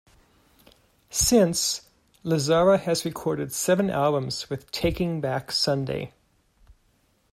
Since, Lazzara has recorded seven albums with Taking Back Sunday.